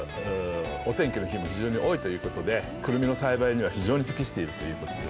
お天気の日も非常に多いということでくるみの栽培には非常に適しているということです。